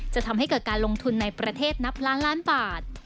จะทำให้เกิดการลงทุนในประเทศนับล้านล้านบาท